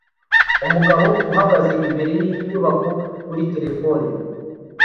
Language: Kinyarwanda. Umugabo uhagaze imbere yinyubako kuri terefone